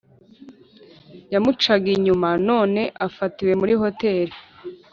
Yamucaga inyuma none afatiwe muri hotel